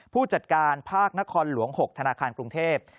ผู้จัดการภาคนครหลวง๖ธนาคารกรุงเทพ